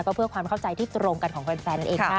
ก็เพื่อความเข้าใจที่ตรงกันของแฟนนั่นเองค่ะ